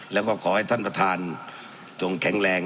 แล้วก็ขอให้ท่านประธานจงแข็งแรง